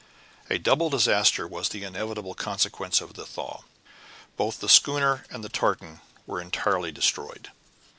A double disaster was the inevitable consequence of the thaw. Both the schooner and the tartan were entirely destroyed.